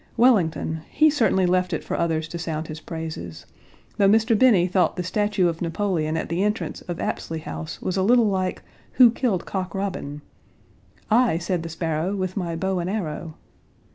Wellington he certainly left it for others to sound his praises though Mr. Binney thought the statue of Napoleon at the entrance of Apsley House was a little like " 'Who killed Cock Robin?' 'I, said the sparrow, with my bow and arrow.'